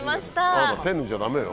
あなた手抜いちゃダメよ。